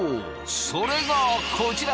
それがこちら！